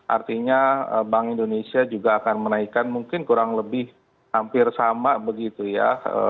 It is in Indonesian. artinya bank indonesia juga akan menaikkan mungkin kurang lebih hampir sama begitu ya